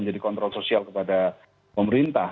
menjadi kontrol sosial kepada pemerintah